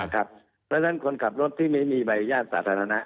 เพราะฉะนั้นคนขับรถที่ไม่มีใบญาตสาธารณะ